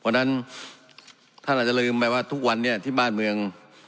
เพราะฉะนั้นท่านอาจจะลืมไปว่าทุกวันนี้ที่บ้านเมือง